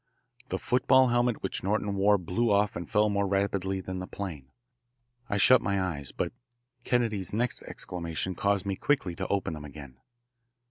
The football helmet which Norton wore blew off and fell more rapidly than the plane. I shut my eyes. But Kennedy's next exclamation caused me quickly to open them again.